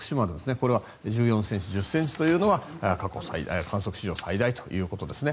これは１４ｃｍ、１０ｃｍというのは過去最大観測史上最大ということですね。